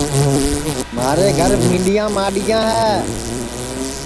مھارے گھر بھِینڈؔیاں ماڈؔوڑیاں ہے